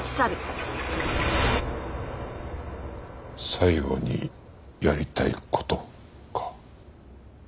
最後にやりたい事か。